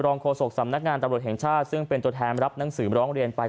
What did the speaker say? โฆษกสำนักงานตำรวจแห่งชาติซึ่งเป็นตัวแทนรับหนังสือร้องเรียนไป